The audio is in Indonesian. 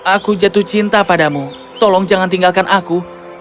aku jatuh cinta padamu tolong jangan tinggalkan aku